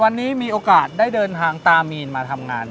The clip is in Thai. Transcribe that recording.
วันนี้มีโอกาสได้เดินทางตามีนมาทำงาน